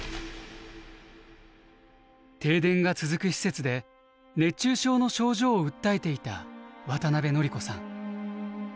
停電が続く施設で熱中症の症状を訴えていた渡邉典子さん。